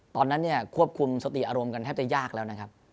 ตอนนั้นเนี่ยควบคุมสติอารมณ์กันแทบจะยากแล้วนะครับ